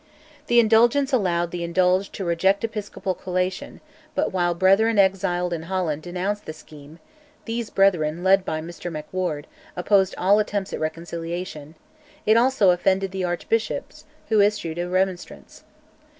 The Indulgence allowed the indulged to reject Episcopal collation; but while brethren exiled in Holland denounced the scheme (these brethren, led by Mr MacWard, opposed all attempts at reconciliation), it also offended the Archbishops, who issued a Remonstrance.